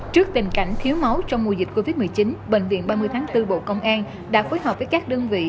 trước tình cảnh thiếu máu trong mùa dịch covid một mươi chín bệnh viện ba mươi tháng bốn bộ công an đã phối hợp với các đơn vị